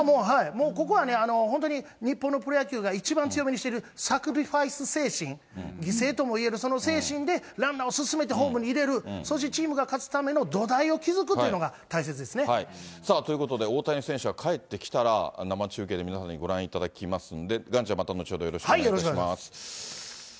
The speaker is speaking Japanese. もう、ここはね、本当に日本のプロ野球が一番強みにしてるサクリファイス精神、犠牲ともいえるその精神で、ランナーを進めてホームに入れる、そうしてチームが勝つための土台を築くというのが大切ですね。ということで、大谷選手が帰ってきたら、生中継で皆さんにご覧いただきますんで、ガンちゃん、また後ほどよろしくお願いいたします。